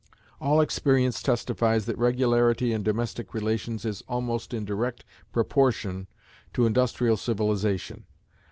All experience testifies that regularity in domestic relations is almost in direct proportion to industrial civilization.